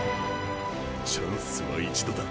チャンスは一度だ。